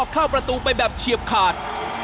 เข้าประตูไปแบบเฉียบขาด